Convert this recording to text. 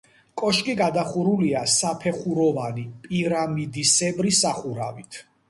კოშკი გადახურულია საფეხუროვანი პირამიდისებრი სახურავით.